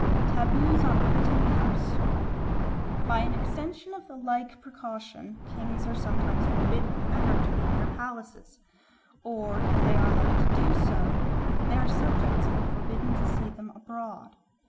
4. Taboos on Quitting the House BY AN EXTENSION of the like precaution kings are sometimes forbidden ever to leave their palaces; or, if they are allowed to do so, their subjects are forbidden to see them abroad.